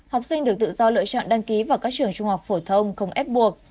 học sinh được tự do lựa chọn đăng ký vào các trường trung học phổ thông không ép buộc